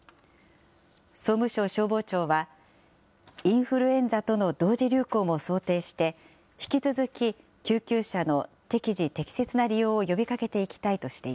総務省消防庁は、インフルエンザとの同時流行も想定して、引き続き救急車の適時適切な利用を呼びかけていきたいとしてい